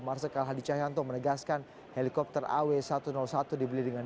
marsikal hadi cahyanto menegaskan helikopter aw satu ratus satu dibeli dengan